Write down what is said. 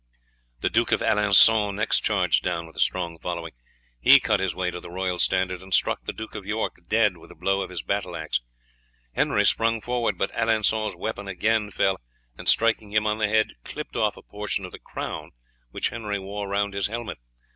The Duke of Alençon next charged down with a strong following; he cut his way to the royal standard, and struck the Duke of York dead with a blow of his battle axe. Henry sprung forward, but Alençon's weapon again fell, and striking him on the head clipped off a portion of the crown which Henry wore round his helmet.